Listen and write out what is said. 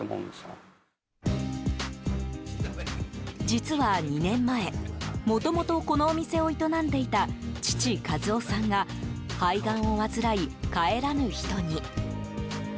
実は、２年前もともと、このお店を営んでいた父・和夫さんが肺がんを患い帰らぬ人に。